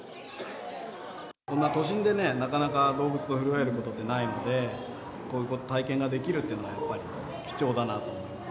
こんな都心でね、なかなか動物と触れ合えることってないので、こういう体験ができるっていうのはやっぱり貴重だなと思います。